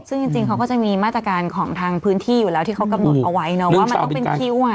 ซึ่งจริงเขาก็จะมีมาตรการของทางพื้นที่อยู่แล้วที่เขากำหนดเอาไว้เนาะว่ามันต้องเป็นคิวอ่ะ